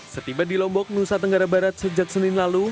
setiba di lombok nusa tenggara barat sejak senin lalu